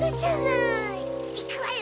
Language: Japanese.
いくわよ